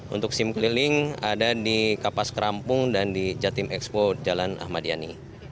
untuk sim keliling ada di kapas kerampung dan di jatim expo jalan ahmad yani